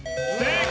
正解！